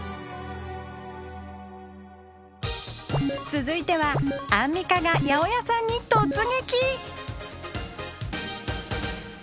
続いてはアンミカが八百屋さんに突撃！